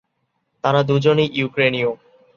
তারা দুজনেই ইউক্রেনীয়।